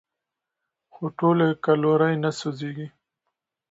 خو ټولې کالورۍ نه سوځېږي.